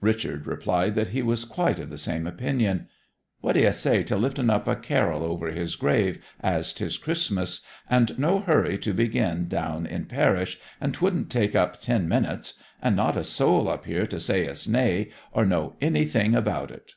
Richard replied that he was quite of the same opinion. 'What d'ye say to lifting up a carrel over his grave, as 'tis Christmas, and no hurry to begin down in parish, and 'twouldn't take up ten minutes, and not a soul up here to say us nay, or know anything about it?'